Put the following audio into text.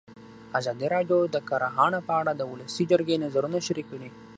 ازادي راډیو د کرهنه په اړه د ولسي جرګې نظرونه شریک کړي.